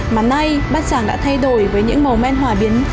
mà nay bát tràng đã thay đổi với những màu men hỏa biến